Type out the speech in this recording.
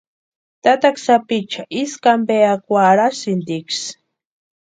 Tataka sápiicha Ísku ampe akwa arhasïntiksï.